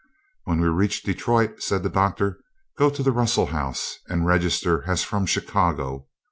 "When we reach Detroit," said the Doctor, "go to the Russell House, and register as from Chicago.